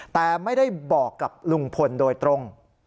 แต่ไม่ได้บอกกับลุงพลโดยตรง